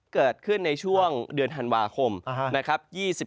เกิดขึ้นในช่วงเดือนธันวาคมนะครับ